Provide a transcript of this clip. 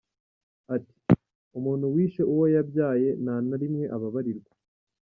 Ati “Umuntu wishe uwo yabyaye nta narimwe ababarirwa”.